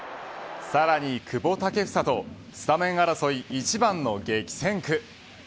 さらに久保建英とスタメン争い一番の激戦区。